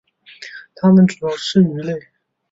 它们主要吃鱼类。